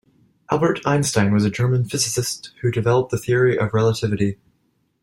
Albert Einstein was a German physicist who developed the Theory of Relativity.